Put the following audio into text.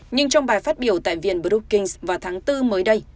nhưng trong bài phát biểu tại viện brukings vào tháng bốn mới đây